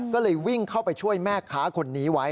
ก็เลยวิ่งเข้าไปช่วยแม่ค้าคนนี้ไว้